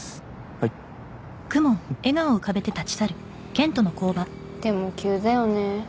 はいでも急だよね